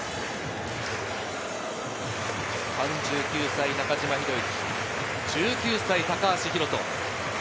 ３９歳中島宏之、１９歳高橋宏斗。